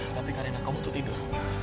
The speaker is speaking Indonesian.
tapi karina kau butuh tidur